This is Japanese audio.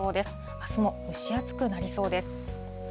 あすも蒸し暑くなりそうです。